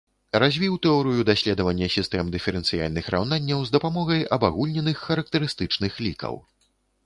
Развіў тэорыю даследавання сістэм дыферэнцыяльных раўнанняў з дапамогай абагульненых характарыстычных лікаў.